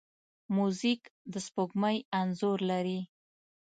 موزیک د سپوږمۍ انځور لري.